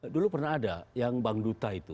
dulu pernah ada yang bang duta itu